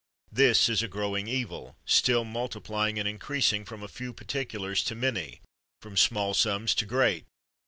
This is a growing evil; still multiplying and increasing from a few particu lars to many, from small sums to great.